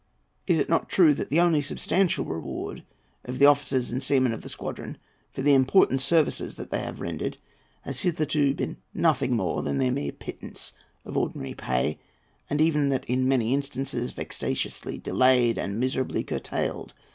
Is it not true that the only substantial reward of the officers and seamen of the squadron for the important services they have rendered has hitherto been nothing more than their mere pittance of ordinary pay; and even that in many instances vexatiously delayed and miserably curtailed?